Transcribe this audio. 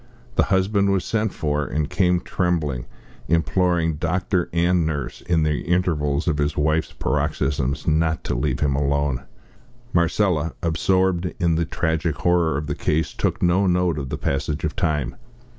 The husband was sent for, and came trembling, imploring doctor and nurse, in the intervals of his wife's paroxysms, not to leave him alone. Marcella, absorbed in the tragic horror of the case, took no note of the passage of time.